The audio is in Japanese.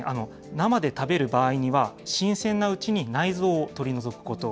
生で食べる場合には、新鮮なうちに内臓を取り除くこと。